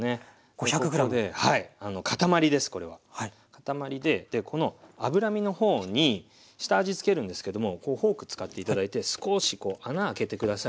塊でこの脂身のほうに下味つけるんですけどもフォーク使って頂いて少し穴開けて下さい。